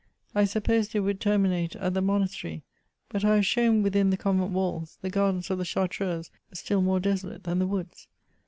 I supposed it would terminate at the monas tery ; but I was shown within the convent walls, the gardens of the Chartreuse still more desolate than the woods.